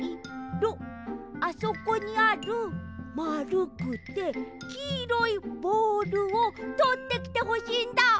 あそこにあるまるくてきいろいボールをとってきてほしいんだ。